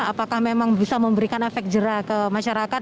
apakah memang bisa memberikan efek jerah ke masyarakat